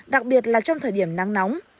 đặc biệt là trong thời điểm nắng nóng